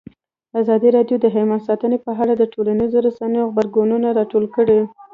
ازادي راډیو د حیوان ساتنه په اړه د ټولنیزو رسنیو غبرګونونه راټول کړي.